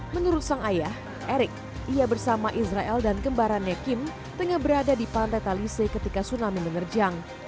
menurut sang ayah erik ia bersama israel dan kembarannya kim tengah berada di pantai talise ketika tsunami menerjang